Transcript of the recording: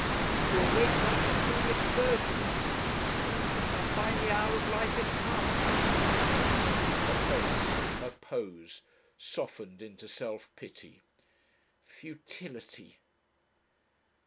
"To awake like the foolish virgins," she said, "and find the hour of life is past!" Her face, her pose, softened into self pity. "Futility